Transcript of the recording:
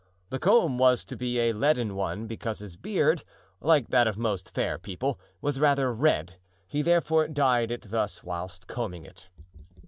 The comb was to be a leaden one, because his beard, like that of most fair people, was rather red; he therefore dyed it thus whilst combing it.